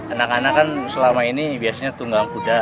anak anak kan selama ini biasanya tunggang kuda